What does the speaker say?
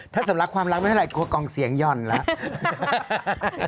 ถ้าสำรักความรักไม่เท่าไรกลัวกองเสียงหย่อนแล้ว